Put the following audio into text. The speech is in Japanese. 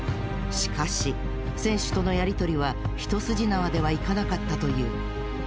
しかし選手とのやり取りは一筋縄では行かなかったという。